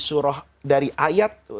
surah dari ayat